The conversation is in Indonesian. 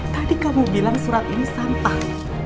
tadi kamu bilang surat ini sampah